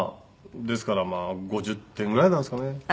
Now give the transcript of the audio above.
ですからまあ５０点ぐらいなんですかね。